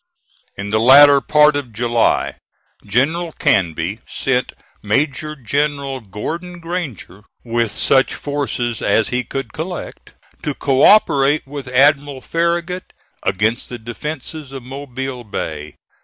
In the latter part of July, General Canby sent Major General Gordon Granger, with such forces as he could collect, to co operate with Admiral Farragut against the defences of Mobile Bay.